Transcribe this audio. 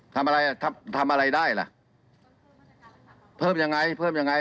ทำอะไรทำทำอะไรได้ล่ะเพิ่มยังไงเพิ่มยังไง